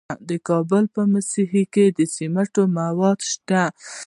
د کابل په موسهي کې د سمنټو مواد شته.